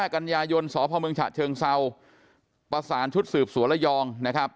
กันยายนสพเมืองฉะเชิงเซาประสานชุดสืบสวนระยองนะครับ